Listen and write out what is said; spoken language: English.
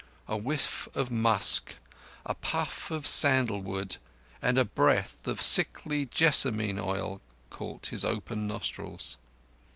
A whiff of musk, a puff of sandal wood, and a breath of sickly jessamine oil caught his opened nostrils.